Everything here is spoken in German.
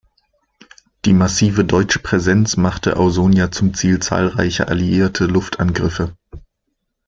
Die massive deutsche Präsenz machte Ausonia zum Ziel zahlreicher alliierte Luftangriffe.